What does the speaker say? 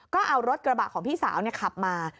ก็เอารถกระบะของพี่สาวขับมา